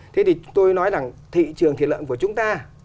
thế thì tôi nói rằng thị trường thịt lợn của chúng ta